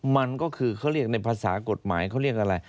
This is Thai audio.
มันก็คือเขาเรียกในภาษากฎหมายเขาเรียกอะไร